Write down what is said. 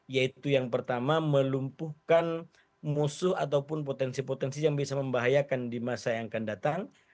yaitu yang pertama melumpuhkan musuh ataupun potensi potensi yang bisa membahayakan di masa yang akan datang